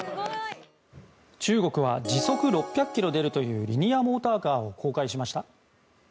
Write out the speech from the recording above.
中国は時速６００ｋｍ出るというリニアモーターカーを公開しました。